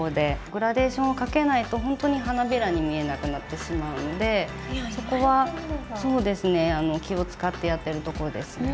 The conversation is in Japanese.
グラデーションをかけないとホントに花びらに見えなくなってしまうのでそこはそうですね気を遣ってやってるところですね。